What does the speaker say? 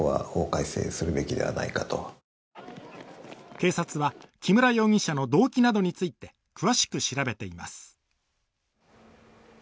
警察は木村容疑者の動機などについて詳しく調べています。